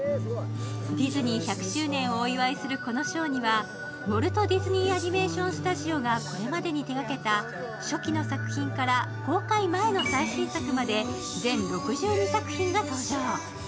ディズニー１００周年をお祝いするこのショーにはウォルト・ディズニー・アニメーション・スタジオがこれまでに手がけた初期の作品から公開前の最新作まで全６２作品が登場。